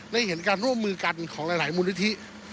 ได้เห็นการร่วมมือกันของหลายมูลนิธิ